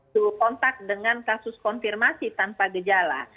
suhu kontak dengan kasus konfirmasi tanpa gejala